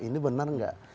ini benar enggak